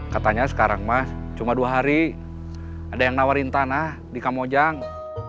katanya sekarang mas cuma dua hari ada yang nawarin tanah di kamojang